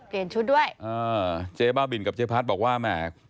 ชุดด้วยอ่าเจ๊บ้าบินกับเจ๊พัดบอกว่าแหม